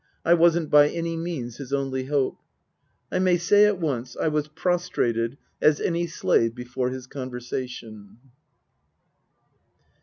I wasn't by any means his only hope. I may say at once I was prostrated as any slave before his conversation.